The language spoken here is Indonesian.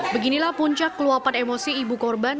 beginilah puncak keluapan emosi ibu korban